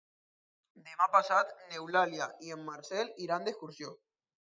Demà passat n'Eulàlia i en Marcel iran d'excursió.